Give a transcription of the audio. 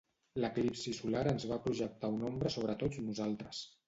L'eclipsi solar ens va projectar una ombra sobre tots nosaltres.